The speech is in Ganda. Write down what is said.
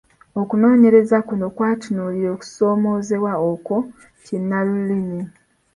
Okunoonyereza kuno kwatunuulira okusoomoozebwa okwo kinnalulimi.